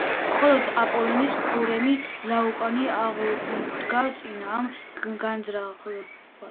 მხოლოდ აპოლონის ქურუმი ლაოკოონი აღუდგა წინ ამ განზრახვას.